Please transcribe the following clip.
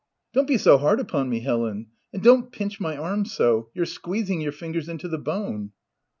"Don't be so hard upon me, Helen; and don't pinch my arm so, you're squeezing your fingers into the bone."